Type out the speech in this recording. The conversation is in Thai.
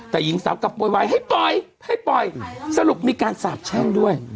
แต่หญิงสาวกลับโวยวายให้ปล่อยให้ปล่อยสรุปมีการสาบแช่งด้วย